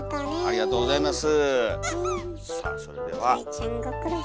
ありがとうございます。